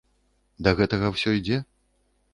Да гэтага ўсё ідзе?